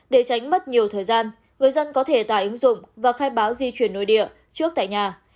để tránh mất nhiều thời gian người dân có thể tải ứng dụng và khai báo di chuyển nội địa trước tại nhà